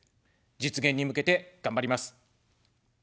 実現に向けて頑張ります。